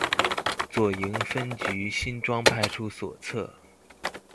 左營分局新莊派出所側